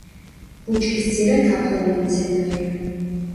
ბუჩქისძირა თაფლოვანი მცენარეა.